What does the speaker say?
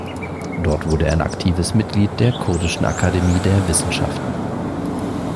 Dort wurde er ein aktives Mitglied der Kurdischen Akademie der Wissenschaften.